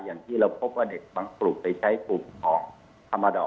อย่างที่เราพบว่าเด็กบางกลุ่มไปใช้กลุ่มของธรรมดอล